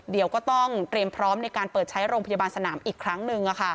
เดี๋ยวก็ต้องเตรียมพร้อมในการเปิดใช้โรงพยาบาลสนามอีกครั้งหนึ่ง